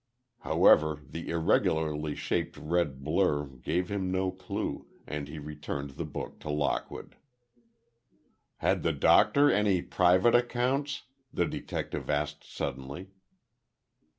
However, the irregularly shaped red blur gave him no clue, and he returned the book to Lockwood. "Had the Doctor any private accounts?" the detective asked suddenly.